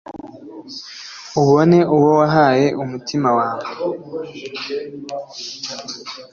ubone uwo wahaye umutima wawe